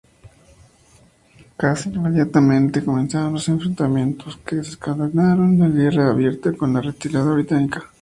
Casi inmediatamente comenzaron los enfrentamientos, que desencadenaron en guerra abierta con la retirada británica.